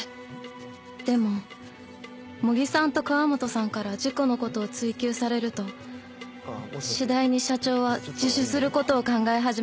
でも茂木さんと河元さんから事故の事を追及されると次第に社長は自首する事を考え始めました。